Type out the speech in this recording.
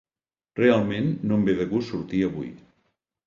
Realment no em ve de gust sortir avui.